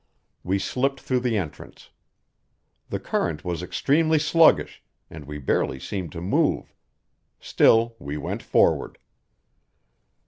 We slipped through the entrance. The current was extremely sluggish, and we barely seemed to move. Still we went forward.